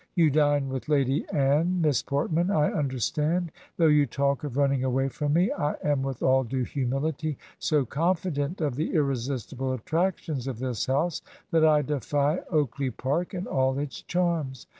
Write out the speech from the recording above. ... 'You dine with Lady Anne, Miss Portmaii, I understand. Though you talk of running away from me ... I am with all due humility so confident of the irresistible attractions of this hoiise, that I defy Oakley Park and all its charms.